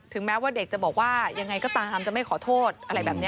แม้ว่าเด็กจะบอกว่ายังไงก็ตามจะไม่ขอโทษอะไรแบบนี้